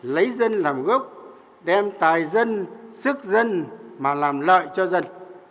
lấy dân làm gốc đem tài dân sức dân mà làm lợi cho dân